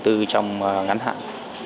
như trong ngắn hạn